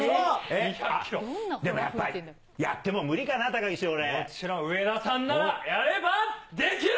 でもやっぱ、やっても無理かな、高岸、俺。